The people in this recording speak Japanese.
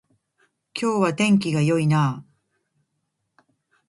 今日は天気が良いなあ